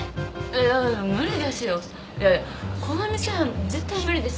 いやいやこの店は絶対無理です。